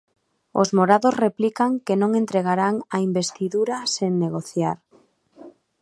Os morados replican que non entregarán a investidura sen negociar.